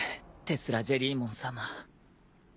テスラジェリーモンさま。